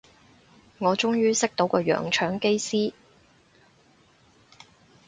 我終於識到個洋腸機師